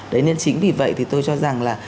đấy nên chính vì vậy thì tôi cho rằng là